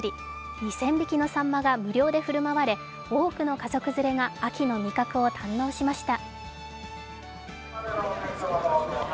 ２０００匹のさんまが無料で振る舞われ、多くの家族連れが秋の味覚を堪能しました。